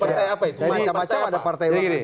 ini macam macam ada partai